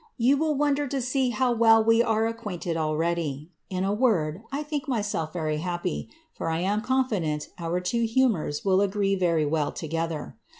You will wonder to see hof well we are acquainted already ; in a word, 1 think myself very hip|9* for I am confident our two humours will agree very well together.